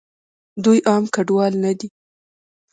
دوئ عام کډوال نه دي.